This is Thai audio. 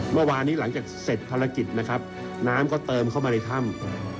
เมื่อวานนี้หลังจากเสร็จภารกิจนะครับน้ำก็เติมเข้ามาในถ้ำ